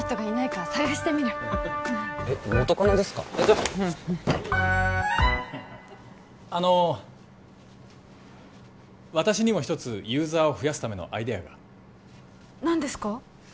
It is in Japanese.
ちょっあの私にも１つユーザーを増やすためのアイデアが何ですか？